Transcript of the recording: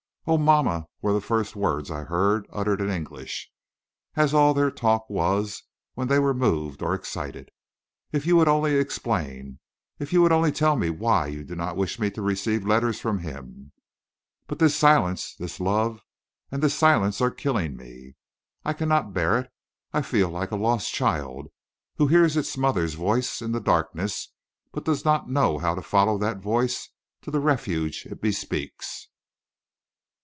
"Oh, mamma," were the first words I heard, uttered in English, as all their talk was when they were moved or excited, "if you would only explain! If you would only tell me why you do not wish me to receive letters from him! But this silence this love and this silence are killing me. I cannot bear it. I feel like a lost child who hears its mother's voice in the darkness, but does not know how to follow that voice to the refuge it bespeaks."